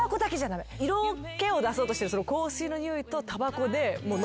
色気を出そうとしてる香水の匂いとたばこで。